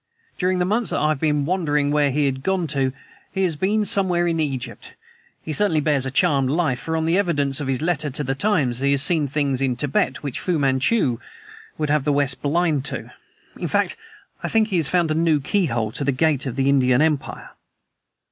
During the months that I have been wondering where he had gone to he has been somewhere in Egypt. He certainly bears a charmed life, for on the evidence of his letter to The Times he has seen things in Tibet which Fu Manchu would have the West blind to; in fact, I think he has found a new keyhole to the gate of the Indian Empire!"